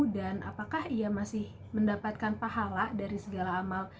dan apakah ia masih mendapatkan pahala dari segala amal